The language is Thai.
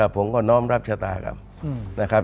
ผมก็น้อมรับชะตาครับ